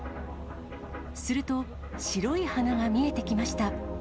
すると、白い鼻が見えてきました。